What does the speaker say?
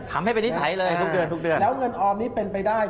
ทำให้เป็นนิสัยเลยทุกเดือนทุกเดือนแล้วเงินออมนี้เป็นไปได้